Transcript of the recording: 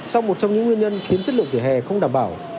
sau một trong những nguyên nhân khiến chất lượng vỉa hè không đảm bảo